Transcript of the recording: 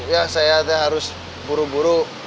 ya saya aja harus buru buru